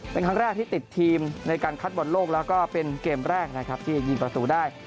เป็นครั้งแรกที่ติดทีมในการคัดบอลโลกแล้วก็เป็นเกมแรกนะครับที่ยิงประตูได้